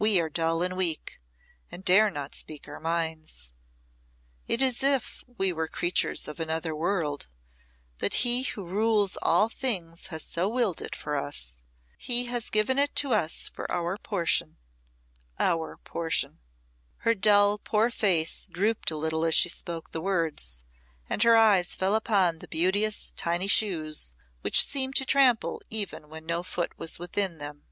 We are dull and weak, and dare not speak our minds. It is as if we were creatures of another world; but He who rules all things has so willed it for us. He has given it to us for our portion our portion." Her dull, poor face dropped a little as she spoke the words, and her eyes fell upon the beauteous tiny shoes, which seemed to trample even when no foot was within them.